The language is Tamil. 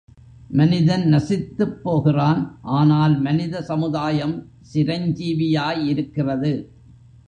மனிதன் நசித்துப் போகிறான் ஆனால், மனித சமுதாயம் சிரஞ்சீவியா யிருக்கிறது.